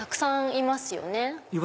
いますね